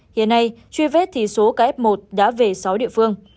hiện nay truy vết thì số ca f một đã về sáu địa phương